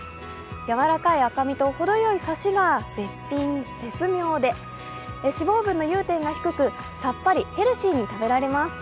柔らかい赤身と、ほどよいサシが絶妙で、脂肪分の融点が低く、さっぱり、ヘルシーに食べられます。